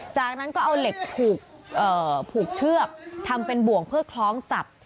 จากนั้นก็เอาเหล็กผูกเชือกทำเป็นบ่วงเพื่อคล้องจับ